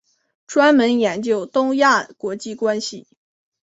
专门研究东亚国际关系。